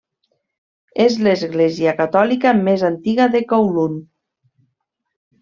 És l'església catòlica més antiga de Kowloon.